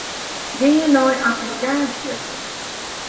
Gean nei applikaasjes.